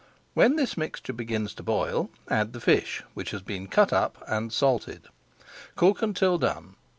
When this mixture begins to boil, add the fish, which has been cut up, and salted. Cook until done.